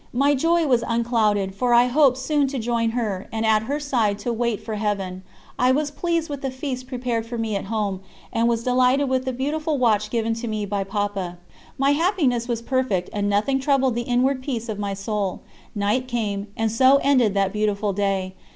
My joy was unclouded, for I hoped soon to join her, and at her side to wait for Heaven. I was pleased with the feast prepared for me at home, and was delighted with the beautiful watch given to me by Papa. My happiness was perfect, and nothing troubled the inward peace of my soul. Night came, and so ended that beautiful day.